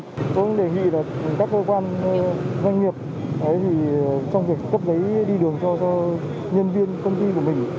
tôi cũng đề nghị các cơ quan doanh nghiệp trong việc cấp giấy đi đường cho nhân viên công ty của mình